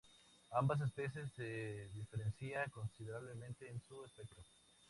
Ambas especies se diferencian considerablemente en su aspecto.